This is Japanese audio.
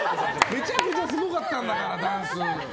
めちゃくちゃすごかったんだから、ダンス。